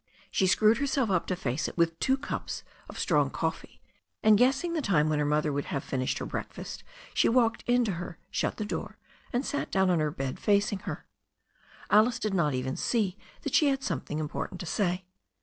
She screwed herself up to face it with two cups of strong coffee, and guessing the time when her mother would have finished her breakfast, she walked in to her, shut the door, and sat down on the bed facing her. Alice did not even see that she had something important to say.